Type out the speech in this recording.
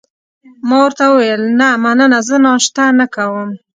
ما ورته وویل: نه، مننه، زه ناشته نه کوم.